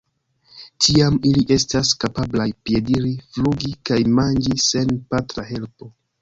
Tiam ili estas kapablaj piediri, flugi kaj manĝi sen patra helpo.